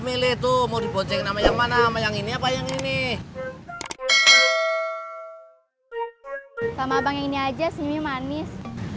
milih tuh mau diboceng namanya mana yang ini apa yang ini sama bang ini aja senyum manis